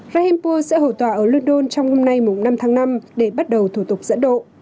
rahimpur sẽ hậu tòa ở london trong hôm nay năm tháng năm để bắt đầu thủ tục dẫn độ